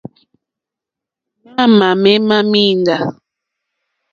Mǎǃáámà mémá míndǎ.